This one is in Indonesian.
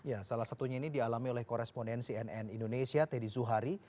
ya salah satunya ini dialami oleh korespondensi nn indonesia teddy zuhari